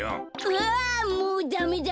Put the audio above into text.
あもうダメだ。